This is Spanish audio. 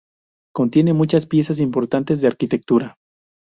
Contiene muchas piezas importantes de arquitectura.